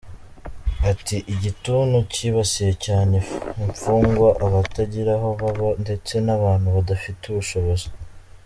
Ati “ Igituntu kibasiye cyane imfungwa, abatagira aho baba ndetse n’abantu badafite ubushobozi.